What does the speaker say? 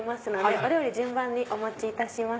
お料理順番にお持ちいたします。